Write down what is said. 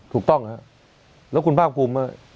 ถูกต้องแล้วคุณพ่ากภูมิ